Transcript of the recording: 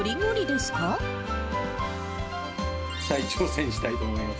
再挑戦したいと思います。